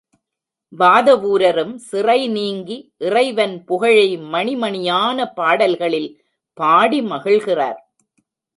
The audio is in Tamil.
வாதவூரரும் சிறை நீங்கி இறைவன் புகழை மணி மணியான பாடல்களில் பாடி மகிழ்கிறார்.